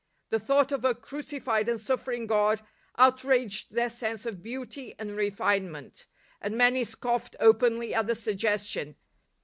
The f thought of a crucified and suffering God out •|. raged their sense of beauty and refinement, I; and many scofied openly at the suggestion.